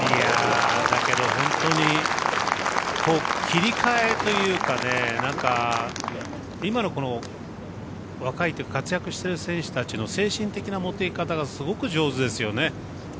だけど本当に切り替えというか今のこの若い時活躍してる選手たちの精神的な持っていき方がすごい上手ですね。